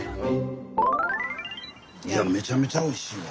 いやめちゃめちゃおいしいわ。